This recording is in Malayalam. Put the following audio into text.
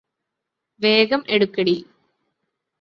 വേഗം എടുക്കെടി